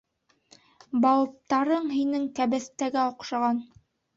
Баобтарың һинең кәбеҫтәгә оҡшаған...